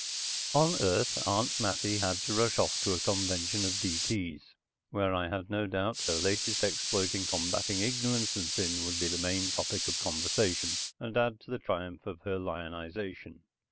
On Earth Aunt Mattie had to rush off to a convention of D.T.'s, where I had no doubt her latest exploit in combating ignorance and sin would be the main topic of conversation and add to the triumph of her lionization.